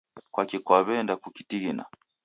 Kwaki kwaweenda kukitighina